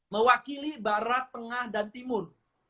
mewakili barat tengah dan timur